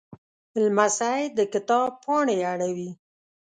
لمسی د کتاب پاڼې اړوي.